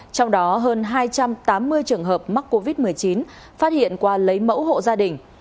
trong đó hơn hai trăm tám mươi trường hợp mắc covid một mươi chín phát hiện qua lấy mẫu hộ gia đình